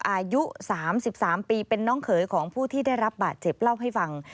อายุสามสิบสามปีเป็นน้องเคยของผู้ที่ได้รับบัตรเจ็บเล่าให้ฟัง